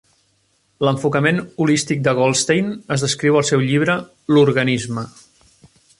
L'enfocament holístic de Goldstein es descriu al seu llibre "L'organisme".